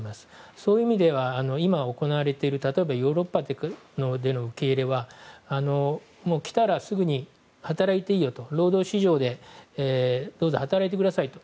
そういう意味では今行われているヨーロッパでの受け入れは来たらすぐに働いていいよと労働市場でどうぞ働いてくださいと。